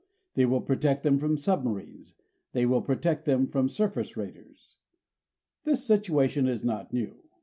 They will protect them from submarines; they will protect them from surface raiders. This situation is not new.